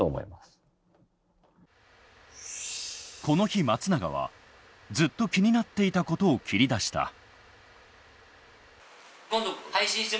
この日松永はずっと気になっていたことを切り出した。